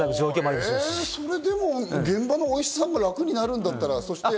それでも現場のお医者さんが楽になるんだったら。